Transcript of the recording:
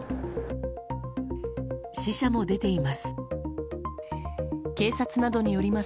死者も出ています。